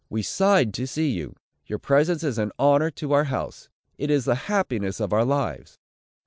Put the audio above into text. We sighed to see you! Your presence is an honor to our house! It is the happiness of our lives!"